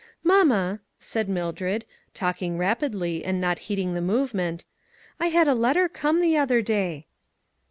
" Mamma," said Mildred, talking rapidly and not heeding the movement, " I had a letter come the other day."